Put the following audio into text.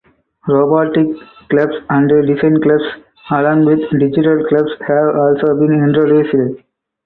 Robotics club and design clubs along with digital clubs have also been introduced.